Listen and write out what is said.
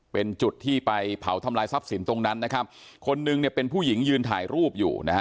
เป็นจุดที่ไปเผาทำลายทรัพย์สินตรงนั้นนะครับคนนึงเนี่ยเป็นผู้หญิงยืนถ่ายรูปอยู่นะฮะ